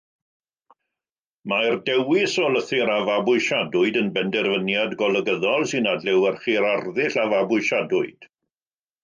Mae'r dewis o lythyr a fabwysiadwyd yn benderfyniad golygyddol sy'n adlewyrchu'r arddull a fabwysiadwyd.